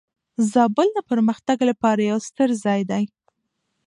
زابل د پرمختګ لپاره یو ستر ځای دی.